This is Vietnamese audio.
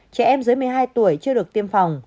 trẻ em dưới một mươi hai tuổi chưa được tiêm phòng